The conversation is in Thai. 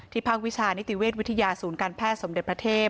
ภาควิชานิติเวชวิทยาศูนย์การแพทย์สมเด็จพระเทพ